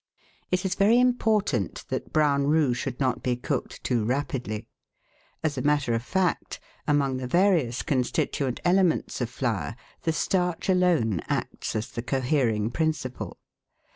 It is very important that brown roux should not be cooked too rapidly. As a matter of fact, among the various constituent elements of flour, the starch alone acts as the cohering prin ciple.